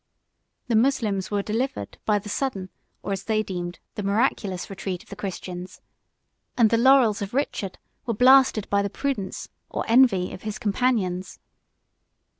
76 The Moslems were delivered by the sudden, or, as they deemed, the miraculous, retreat of the Christians; 77 and the laurels of Richard were blasted by the prudence, or envy, of his companions.